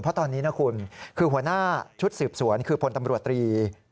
เพราะตอนนี้นะคุณคือหัวหน้าชุดสืบสวนคือพลตำรวจตรี